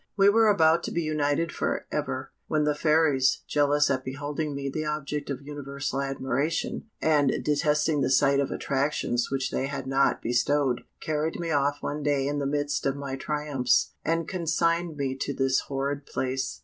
We were about to be united for ever, when the fairies, jealous at beholding me the object of universal admiration, and detesting the sight of attractions which they had not bestowed, carried me off one day in the midst of my triumphs, and consigned me to this horrid place.